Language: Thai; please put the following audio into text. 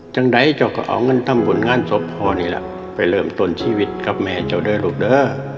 จังใดเจ้าก็เอาเงินทำบุญงานศพพ่อนี่แหละไปเริ่มต้นชีวิตกับแม่เจ้าด้วยลูกเด้อ